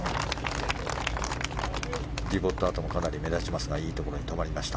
ディボット跡もかなり目立ちますがいいところに止まりました。